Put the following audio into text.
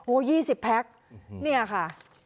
โอ้๒๐แพ็คนี่ค่ะ